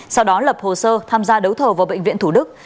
sau đó lập hồ sơ tham gia đấu thầu vào bệnh viện thủ đức